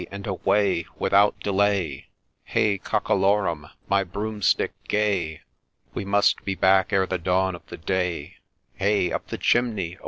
and away ! without delay, Hey Cockalorum ! my Broomstick gay ! We must be back ere the dawn of the day : Hey up the chimney